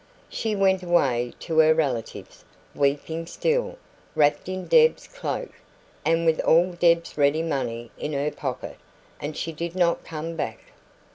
She went away to her relatives, weeping still, wrapped in Deb's cloak, and with all Deb's ready money in her pocket; and she did not come back.